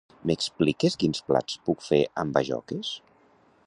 M'expliques quins plats puc fer amb bajoques?